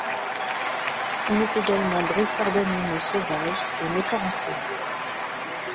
Il est également dresseur d'animaux sauvages et metteur en scène.